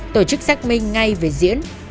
tổ chức xác minh ngay về diễn